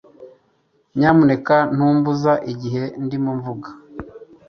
Nyamuneka ntumbuza igihe ndimo mvuga